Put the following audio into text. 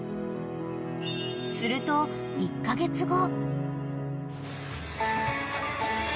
［すると１カ月後］